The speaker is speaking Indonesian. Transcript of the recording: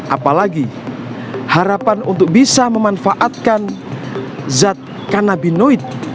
apalagi harapan untuk bisa memanfaatkan zat kanabinoid